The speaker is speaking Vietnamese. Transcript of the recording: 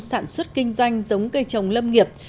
sản xuất kinh doanh giống cây trồng lâm nghiệp